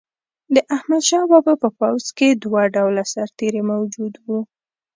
د احمدشاه بابا په پوځ کې دوه ډوله سرتیري موجود وو.